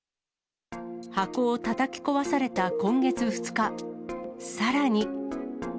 箱をたたき壊された今月２日、さらに。